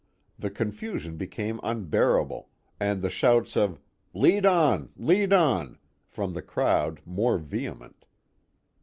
The confusion became unbearable and the shouts of "Lead on! Lead on!" from the crowd more vehement.